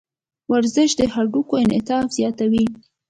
ورزش د هډوکو انعطاف زیاتوي.